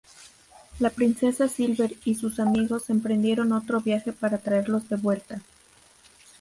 La princesa Silver y sus amigos emprendieron otro viaje para traerlos de vuelta.